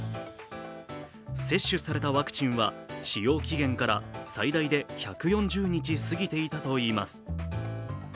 接種されたワクチンは使用期限から最大で１４０日過ぎていたといいます。